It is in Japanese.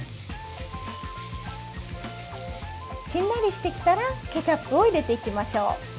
しんなりしてきたらケチャップを入れていきましょう。